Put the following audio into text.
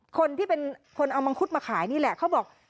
คนที่เป็นคนเอามังคุดมาขายนี่แหละเขาบอก